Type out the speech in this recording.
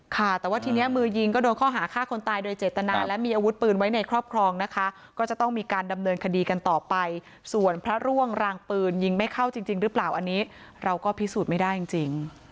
ค่ะแต่ว่าทีนี้มือยิงก็โดนข้อหาฆ่าคนตายโดยเจตนาและมีอาวุธปืนไว้ในครอบครองนะคะก็จะต้องมีการดำเนินคดีกันต่อไปส่วนพระร่วงรางปืนยิงไม่เข้าจริงหรือเปล่าอันนี้เราก็พิสูจน์ไม่ได้จริง